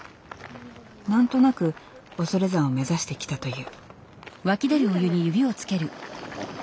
何となく恐山を目指して来たという。